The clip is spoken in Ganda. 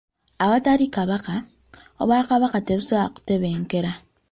Awatali Kabaka, obwakabaka tebusobola kutebenkera.